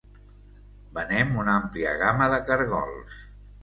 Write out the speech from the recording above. Venem una àmplia gama de cargols.